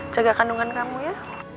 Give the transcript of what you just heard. jaga kandungan kamu ya